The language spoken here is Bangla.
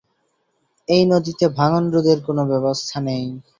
এই নদীতে ভাঙন রোধের কোনো ব্যবস্থা নেই।